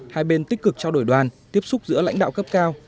hai bên tích cực trao đổi đoàn tiếp xúc giữa lãnh đạo cấp cao